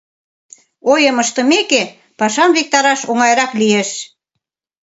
Ойым ыштымеке, пашам виктараш оҥайрак лиеш.